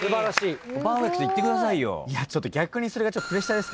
パーフェクトいってくださいよ。